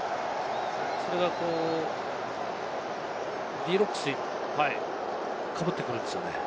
それがＤ−Ｒｏｃｋｓにかぶってくるんですよね。